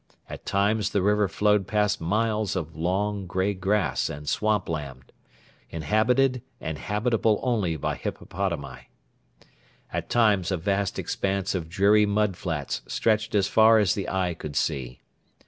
At times the river flowed past miles of long grey grass and swamp land, inhabited and habitable only by hippopotami. At times a vast expanse of dreary mud flats stretched as far as the eye could see.